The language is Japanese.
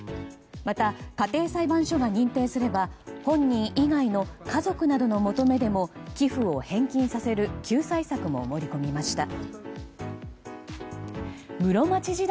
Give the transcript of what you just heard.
また、家庭裁判所が認定すれば本人以外の家族などの求めでも寄付を返金させる救済策も盛り込みました。